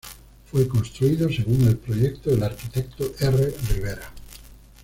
Fue construido según el proyecto del arquitecto R. Rivera.